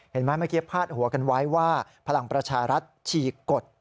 เมื่อกี้พาดหัวกันไว้ว่าพลังประชารัฐฉีกกฎ